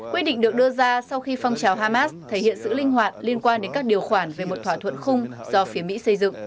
quyết định được đưa ra sau khi phong trào hamas thể hiện sự linh hoạt liên quan đến các điều khoản về một thỏa thuận khung do phía mỹ xây dựng